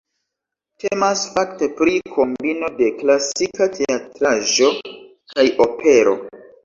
Temas fakte pri kombino de klasika teatraĵo kaj opero.